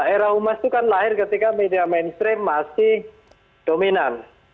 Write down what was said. era humas itu kan lahir ketika media mainstream masih dominan